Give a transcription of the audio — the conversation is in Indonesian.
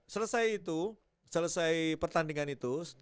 selesai itu selesai pertandingan itu